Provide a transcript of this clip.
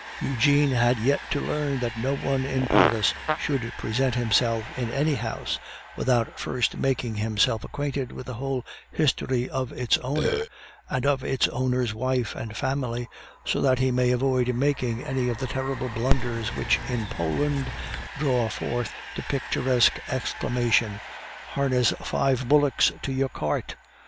Eugene had yet to learn that no one in Paris should present himself in any house without first making himself acquainted with the whole history of its owner, and of its owner's wife and family, so that he may avoid making any of the terrible blunders which in Poland draw forth the picturesque exclamation, "Harness five bullocks to your cart!"